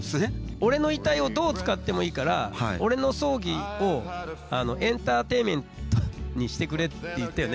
俺の遺体をどう使ってもいいから、俺の葬儀をエンターテインメントにしてくれって言ったよね？